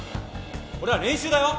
これは練習だよ。